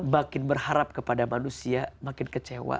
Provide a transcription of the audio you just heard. makin berharap kepada manusia makin kecewa